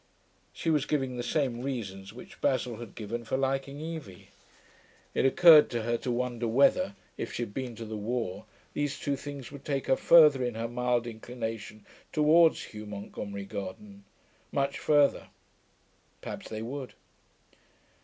She was giving the same reasons which Basil had given for liking Evie. It occurred to her to wonder whether, if she'd been to the war, these two things would take her further in her mild inclination towards Hugh Montgomery Gordon much further. Perhaps they would....